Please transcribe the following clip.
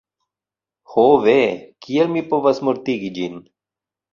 Ho ve! Kiel mi povas mortigi ĝin?